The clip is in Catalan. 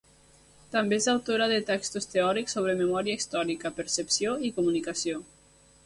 També és autora de textos teòrics sobre memòria històrica, percepció i comunicació.